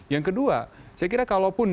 yang kedua saya kira kalau pun